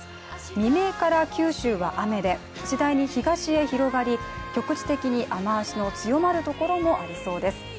未明から九州は雨で次第に東へ広がり局地的に雨足の強まるところもありそうです。